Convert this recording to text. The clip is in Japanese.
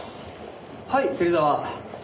はい芹沢。